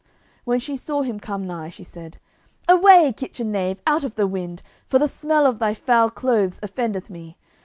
When she saw him come nigh, she said, "Away, kitchen knave, out of the wind, for the smell of thy foul clothes offendeth me.